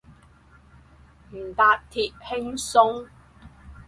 唔搭鐵，輕鬆